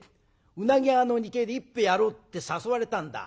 うなぎ屋の２階で一杯やろうって誘われたんだ。